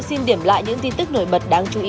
sau đây là nội dung chi tiết